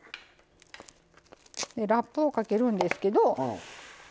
ラップをかけるんですけど。